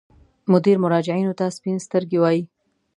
مدیر مراجعینو ته سپین سترګي وایي.